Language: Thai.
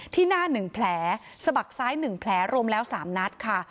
ที่หน้า๑แผลสะบักซ้าย๑แผลรวมแล้ว๓นัดค่ะ